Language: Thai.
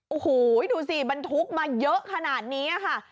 โอ้โหดูสิบรรทุกมาเยอะขนาดนี้ค่ะ